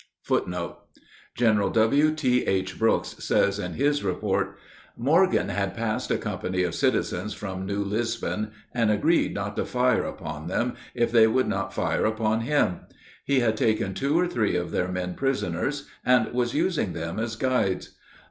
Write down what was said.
[Footnote 10: General W.T.H. Brooks says in his report: Morgan had passed a company of citizens from New Lisbon, and agreed not to fire upon them if they would not fire upon him. He had taken two or three of their men prisoners, and was using them as guides.